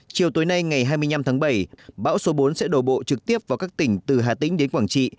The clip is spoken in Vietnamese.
chiều tối nay ngày hai mươi năm tháng bảy bão số bốn sẽ đổ bộ trực tiếp vào các tỉnh từ hà tĩnh đến quảng trị